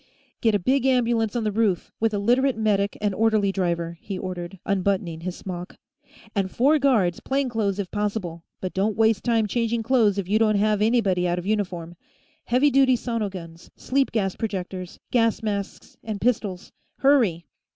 "Get a big ambulance on the roof, with a Literate medic and orderly driver," he ordered, unbuttoning his smock. "And four guards, plain clothes if possible, but don't waste time changing clothes if you don't have anybody out of uniform. Heavy duty sono guns, sleep gas projectors, gas masks and pistols. Hurry."